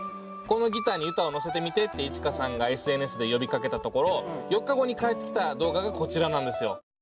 「このギターに歌をのせてみて」ってＩｃｈｉｋａさんがＳＮＳで呼びかけたところ４日後に返ってきた動画がこちらなんですよ。